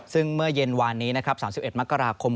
ซึ่งเมื่อเย็นวานนี้นะครับ๓๑มกราคม